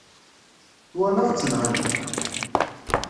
Twalaḍ-tt neɣ ala?